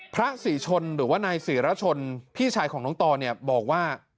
พระศรีชนหรือว่านายศรีรชนพี่ชายของน้องตอเนี่ยบอกว่า